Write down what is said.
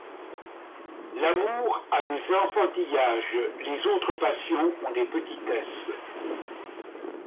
L'amour a des enfantillages, les autres passions ont des petitesses.